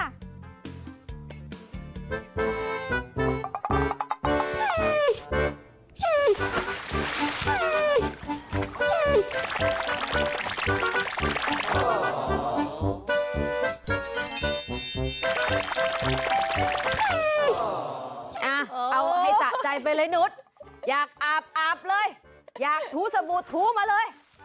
เอาให้สะใจไปเลยนุษย์อยากอาบอาบเลยอยากถูสบู่ทู้มาเลย